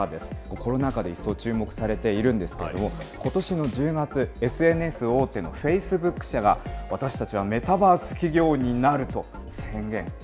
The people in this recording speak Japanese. コロナ禍で一層注目されているんですけれども、ことしの１０月、ＳＮＳの大手のフェイスブック社が、私たちがメタバース企業になると宣言。